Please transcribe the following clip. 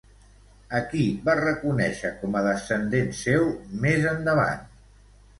A qui va reconèixer com a descendent seu més endavant?